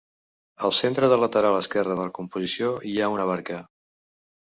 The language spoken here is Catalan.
Al centre del lateral esquerre de la composició hi ha una barca.